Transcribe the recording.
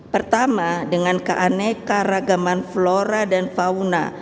pertama dengan keaneka ragaman flora dan fauna